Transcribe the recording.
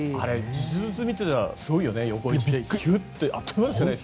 実物見てたらすごいよね、ひゅっと。